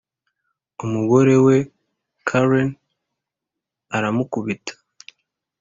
umugore we karen aramukubita